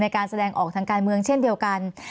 การแสดงออกทางการเมืองเช่นเดียวกัน